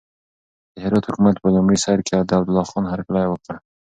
د هرات حکومت په لومړي سر کې د عبدالله خان هرکلی وکړ.